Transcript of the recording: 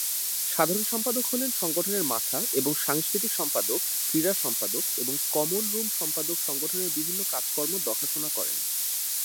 সাধারণ সম্পাদক হলেন সংগঠনের মাথা এবং সাংস্কৃতিক সম্পাদক, ক্রীড়া সম্পাদক এবং কমন রুম সম্পাদক সংগঠনের বিভিন্ন কাজকর্ম দেখাশোনা করেন।